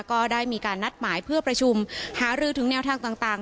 ก็ได้มีการนัดหมายเพื่อประชุมหารือถึงแนวทางต่าง